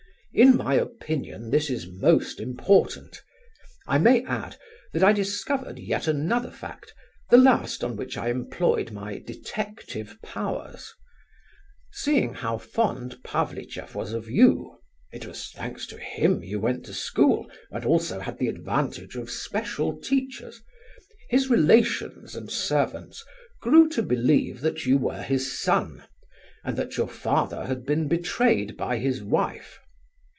In my opinion this is most important. I may add that I discovered yet another fact, the last on which I employed my detective powers. Seeing how fond Pavlicheff was of you,—it was thanks to him you went to school, and also had the advantage of special teachers—his relations and servants grew to believe that you were his son, and that your father had been betrayed by his wife.